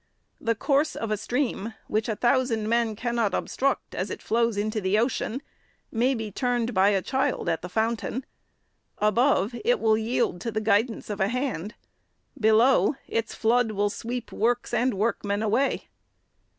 The course of a stream, which a thousand men cannot obstruct, as it flows into the ocean, may be turned by a child at the fountain. Above, it will yield to the guidance of a hand ; below, its flood will sweep works and workmen away.